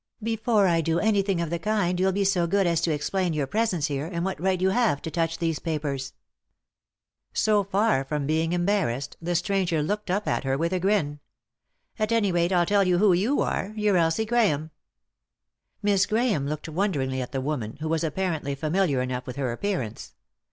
" Before I do anything of the kind you'll be so good as to explain your presence here, and what right you have to touch these papers." So fax from seeming embarrassed, the stranger looked up at her with a grin. h 97 3i 9 iii^d by Google THE INTERRUPTED KISS " At any rate, I'll tell you who you are — you're Elsie Grahame." Miss Grahame looked wonderingly at the woman, who was apparently familiar enough with her appear ance.